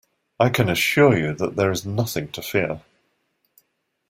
I can assure you that there is nothing to fear